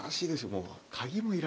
もう。